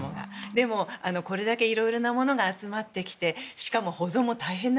でもこれだけ色々なものが集まってきてしかも保存も大変。